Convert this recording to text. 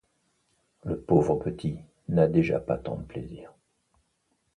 Le pauvre petit n’a déjà pas tant de plaisir.